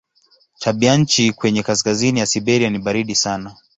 Tabianchi kwenye kaskazini ya Siberia ni baridi sana.